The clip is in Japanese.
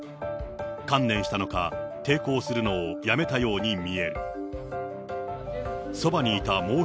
観念したのか、抵抗するのをやめたように見える。